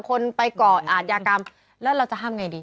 คนไปก่ออาทยากรรมแล้วเราจะทำไงดี